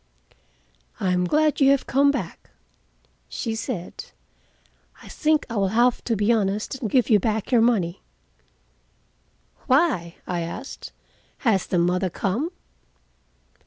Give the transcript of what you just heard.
"I am glad you have come back," she said. "I think I will have to be honest and give you back your money." "Why?" I asked. "Has the mother come?"